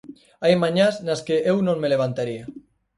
Hai mañás nas que eu non me levantaría.